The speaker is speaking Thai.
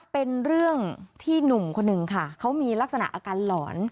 เป็นเรื่องที่หนุ่มคนหนึ่งค่ะเขามีลักษณะอาการหลอน